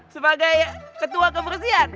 sebagai ketua kebersihan